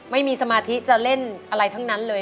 ไม่มีสมาธิจะเล่นอะไรทั้งนั้นเลย